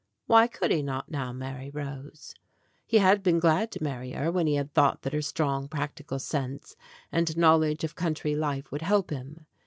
Why could he not now marry Rose ? He had been glad to marry her, when he had thought that her strong practical sense and knowledge of country life would help him.